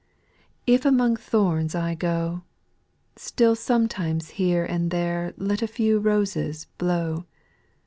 If among thorns I go, Still sometimes here and there Let a few roses blow.